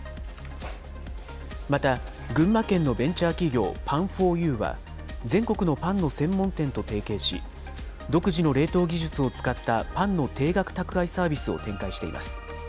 また、群馬県のベンチャー企業、パンフォーユーは、全国のパンの専門店と提携し、独自の冷凍技術を使ったパンの定額宅配サービスを展開しています。